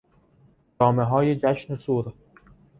جامههای جشن و سور